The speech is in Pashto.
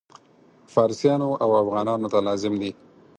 فارسیانو او افغانانو ته لازم دي.